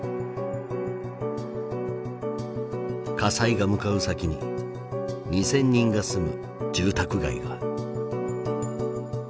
火災が向かう先に２，０００人が住む住宅街が。